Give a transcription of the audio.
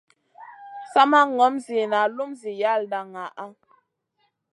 Sa ma ŋom ziyna lum zi yalda naaɗa.